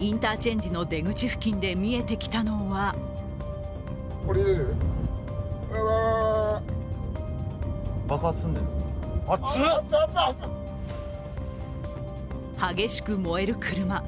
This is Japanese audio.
インターチェンジの出口付近で見えてきたのは激しく燃える車。